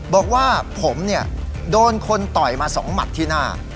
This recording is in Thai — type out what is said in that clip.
บอกว่าผมเนี่ยโดนคนต่อยมา๒หมัดที่หน้า